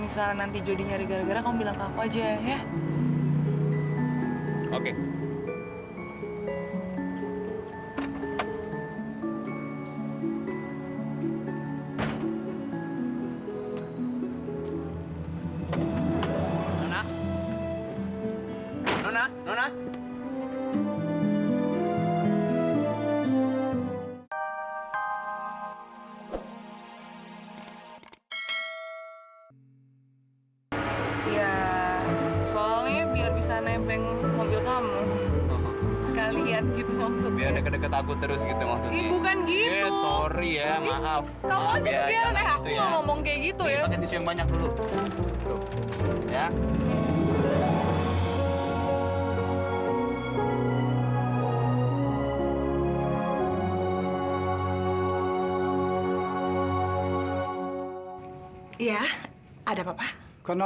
sampai jumpa di video selanjutnya